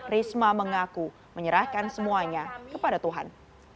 risma mengaku menyerahkan semuanya kepada tuhan